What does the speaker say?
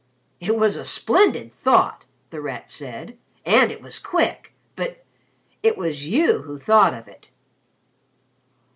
"It was a splendid thought!" The Rat said. "And it was quick. But it was you who thought of it."